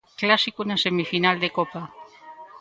Clásico na semifinal de Copa.